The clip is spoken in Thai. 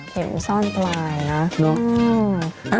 เป็นซ่อนปลายนะ